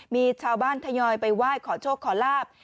มีชาวบ้านทยอยไปไหว้ขอโชคขอลาบ